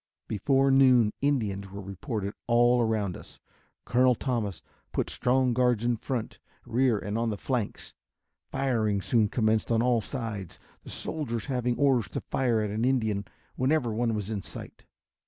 Before noon Indians were reported all around us. Colonel Thomas put strong guards in front, rear and on the flanks. Firing soon commenced on all sides, the soldiers having orders to fire at an Indian whenever one was in sight.